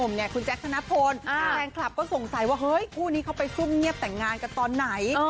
คุณแจ๊คธนพลแฟนคลับก็สงสัยว่าเฮ้ยคู่นี้เขาไปซุ่มเงียบแต่งงานกันตอนไหน